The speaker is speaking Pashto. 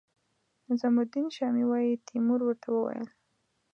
نظام الدین شامي وايي تیمور ورته وویل.